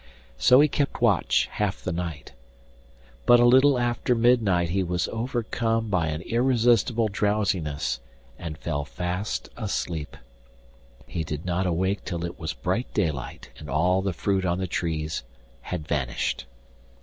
So he kept watch half the night; but a little after midnight he was overcome by an irresistible drowsiness, and fell fast asleep. He did not awake till it was bright daylight, and all the fruit on the trees had vanished.